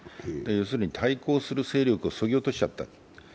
要するに対抗する勢力をそぎ落としちゃった。